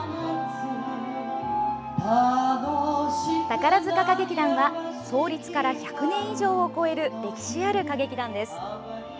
宝塚歌劇団は創立から１００年以上を超える歴史ある歌劇団です。